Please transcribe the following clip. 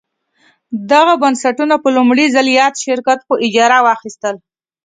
دغه بنسټونه په لومړي ځل یاد شرکت په اجاره واخیستل.